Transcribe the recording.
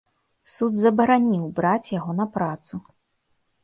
Суд забараніў браць яго на працу.